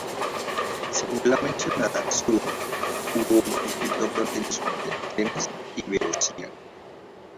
Según la mencionada Suda, hubo un conflicto fronterizo entre Atenas y Beocia.